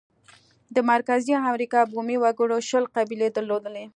د مرکزي امریکا بومي وګړو شل قبیلې درلودې.